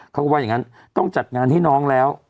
เขาก็ว่าอย่างนั้นต้องจัดงานให้น้องแล้ว